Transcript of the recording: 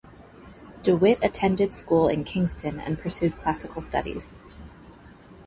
DeWitt attended school in Kingston and pursued classical studies.